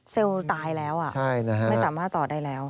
ตายแล้วไม่สามารถตอบได้แล้ว